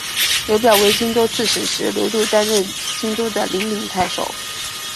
刘表为荆州刺史时刘度担任荆州的零陵太守。